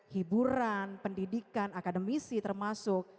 hiburan pendidikan akademisi termasuk